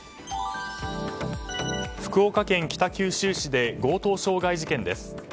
福岡県北九州市で強盗傷害事件です。